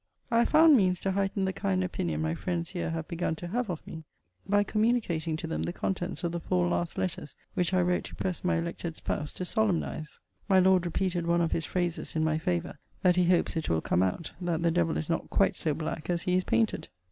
I have found means to heighten the kind opinion my friends here have begun to have of me, by communicating to them the contents of the four last letters which I wrote to press my elected spouse to solemnize. My Lord repeated one of his phrases in my favour, that he hopes it will come out, that the devil is not quite so black as he is painted.